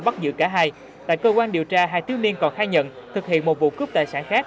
bắt giữ cả hai tại cơ quan điều tra hai tiếu niên còn khai nhận thực hiện một vụ cướp tài sản khác